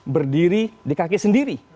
berdiri di kaki sendiri